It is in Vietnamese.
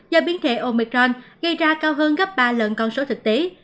do biến thể omicron gây ra cao hơn gấp ba lần con số thực tế